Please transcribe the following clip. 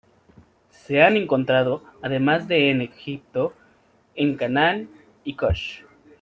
Se han encontrado, además de en Egipto, en Canaán y Kush.